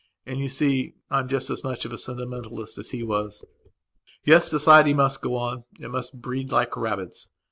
And, you see, I am just as much of a sentimentalist as he was.. .. Yes, society must go on; it must breed, like rabbits.